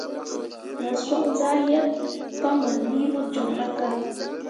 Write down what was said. Na soɓ zah yeb pahmanlii mo joŋra ka.